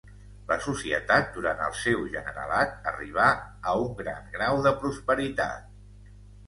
La societat durant el seu generalat arribà a un gran grau de prosperitat.